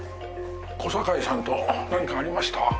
小堺さんと何かありました？